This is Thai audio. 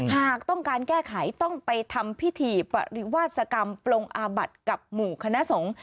หากต้องการแก้ไขต้องไปทำพิธีปริวาสกรรมปลงอาบัติกับหมู่คณะสงฆ์